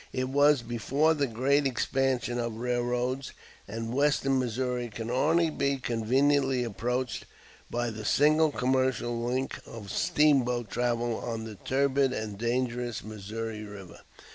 It was before the great expansion of railroads, and western Missouri could only be conveniently approached by the single commercial link of steamboat travel on the turbid and dangerous Missouri River.